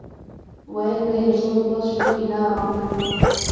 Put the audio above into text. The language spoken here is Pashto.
ویل به یې له غلو خلاص شو ایله ارام شو.